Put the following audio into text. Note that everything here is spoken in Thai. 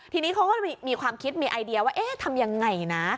ทีนี้เขาก็มีความคิดมีไอเดียว่าเอ๊ะทำยังไงนะ